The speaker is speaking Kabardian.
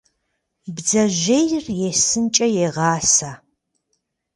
Бдзэжьейр есынкӏэ егъасэ.